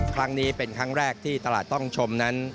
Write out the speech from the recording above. ครั้งนี้เป็นครั้งแรกที่ตลาดต้องชมนั้น